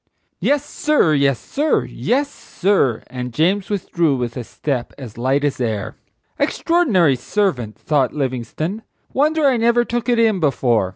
"Yes, sir; yes, sir; yes, sir;" and James withdrew with a step as light as air. "Extraordinary servant!" thought Livingstone. "Wonder I never took it in before!"